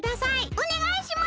おねがいします！